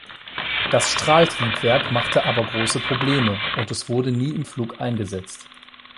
Das Strahltriebwerk machte aber große Probleme, und es wurde nie im Flug eingesetzt.